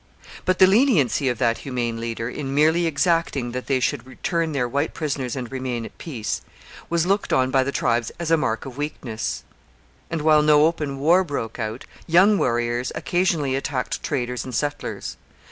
] but the leniency of that humane leader, in merely exacting that they should return their white prisoners and remain at peace, was looked on by the tribes as a mark of weakness; and, while no open war broke out, young warriors occasionally attacked traders and settlers.